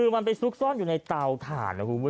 มันไปซุกซ่อนอยู่ในเต่าธาน